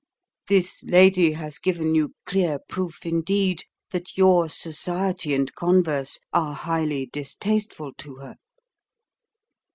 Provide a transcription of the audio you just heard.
This lady has given you clear proof indeed that your society and converse are highly distasteful to her."